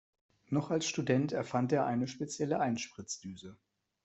Noch als Student erfand er eine spezielle Einspritzdüse.